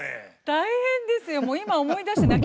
大変ですよ。